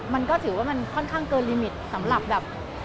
มันก็ถือว่ามันค่อนข้างเกินลิมิตสำหรับแบบ